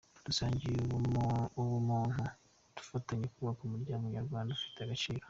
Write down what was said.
Dusangiye ubumuntu, dufatanye kubaka umuryango nyarwanda ufite agaciro.